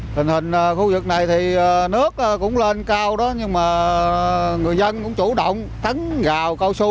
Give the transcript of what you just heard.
tình hình khu vực này thì nước cũng lên cao đó nhưng mà người dân cũng chủ động thấn gào cao su